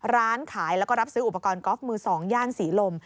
ร้านขายแล้วก็รับซื้ออุปกรณ์กอล์ฟมือ๒ย่านศรีลม